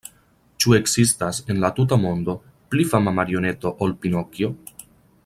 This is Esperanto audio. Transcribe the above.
Ĉu ekzistas, en la tuta mondo, pli fama marioneto ol Pinokjo?